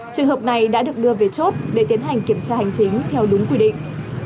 trường hợp này đã được đưa về chốt để tiến hành kiểm tra hành chính theo đúng quy định